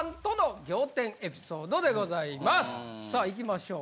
さあいきましょう。